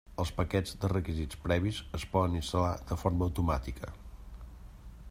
Els paquets de requisits previs es poden instal·lar de forma automàtica.